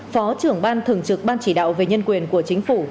phó trưởng ban thường trực ban chỉ đạo về nhân quyền của chính phủ